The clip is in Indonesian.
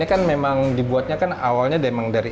ini kan memang dibuatnya kan awalnya dari espresso kan